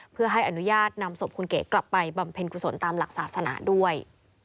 เพื่อให้อนุญาตนำศพคุณเก๋กลับไปบำเพ็ญกุศลตามหลักศาสนาด้วย